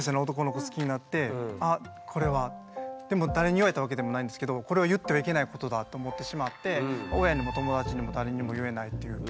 でも誰に言われたわけでもないんですけどこれを言ってはいけないことだと思ってしまって親にも友達にも誰にも言えないっていう感じ。